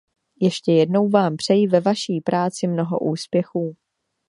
Ještě jednou vám přeji ve vaší práci mnoho úspěchů.